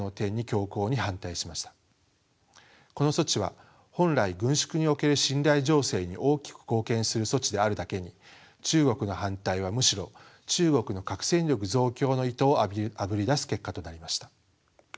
この措置は本来軍縮における信頼醸成に大きく貢献する措置であるだけに中国の反対はむしろ中国の核戦力増強の意図をあぶり出す結果となりました。